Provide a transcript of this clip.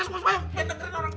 eh belum selesai ngomongnya mbak be